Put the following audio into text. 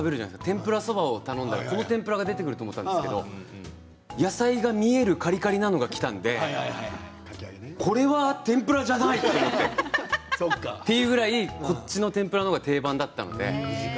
天ぷらそばを食べたらこの天ぷらが出てくると思ったんですけれども野菜が見えるカリカリなのがきたのでこれは天ぷらじゃないと思ってそういうぐらいこっちの天ぷらの方が定番だったので。